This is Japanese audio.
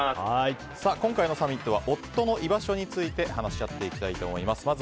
今回のサミットは夫の居場所について話し合っていきたいと思います。